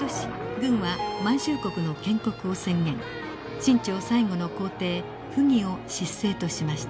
清朝最後の皇帝溥儀を執政としました。